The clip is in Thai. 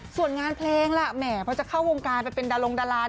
ส่วนงานเพลงล่ะแหมพอจะเข้าวงการไปเป็นดารงดารา